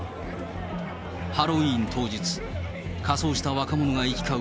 ハロウィーン当日、仮装した若者が行き交う